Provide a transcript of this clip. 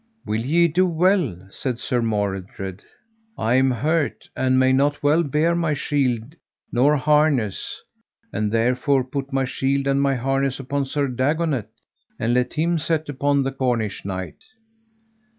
Will ye do well? said Sir Mordred; I am hurt and may not well bear my shield nor harness, and therefore put my shield and my harness upon Sir Dagonet, and let him set upon the Cornish knight.